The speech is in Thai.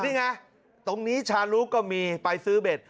นี่ไงตรงนี้ชาลุก็มีไปซื้อเบ็ด